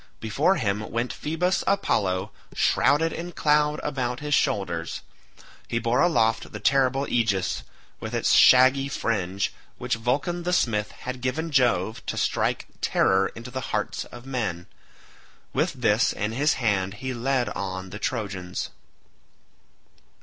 Before him went Phoebus Apollo shrouded in cloud about his shoulders. He bore aloft the terrible aegis with its shaggy fringe, which Vulcan the smith had given Jove to strike terror into the hearts of men. With this in his hand he led on the Trojans.